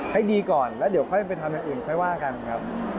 ให้ดีก่อนแล้วเดี๋ยวค่อยไปทำอย่างอื่นค่อยว่ากันครับ